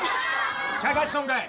ちゃかしとんかい？